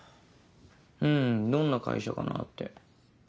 うんどんな会社かなって。